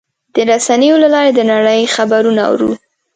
د رسنیو له لارې د نړۍ خبرونه اورو.